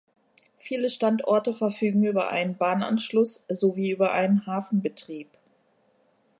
Viele Standorte verfügen über einen Bahnanschluss sowie über einen Hafenbetrieb.